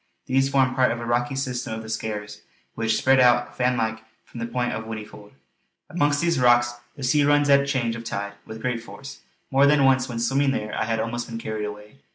These form part of the rocky system of the Skares, which spread out fan like from the point of Whinnyfold. Amongst these rocks the sea runs at change of tide with great force; more than once when swimming there I had been almost carried away.